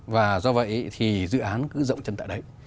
và do vậy thì dự án cứ rộng chân tại đấy